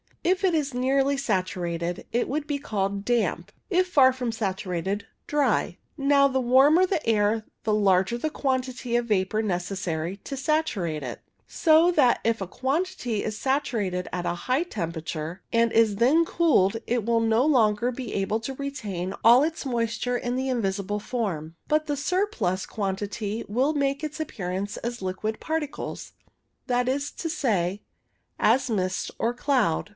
If it is nearly saturated it would be called damp ; if far from saturated, dry. Now, the warmer the air the larger the quantity of vapour necessary to saturate it, so that if a quantity is saturated at a high temperature, and is then cooled, it will no longer be able to retain all its moisture in the invisible form, but the surplus quantity will make its appearance as liquid particles, that is to say, as mist or cloud.